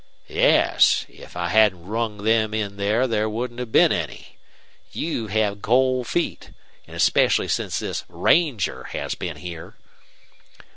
"Yes. If I hadn't rung them in there wouldn't have been any. You've had cold feet, and especially since this ranger has been here."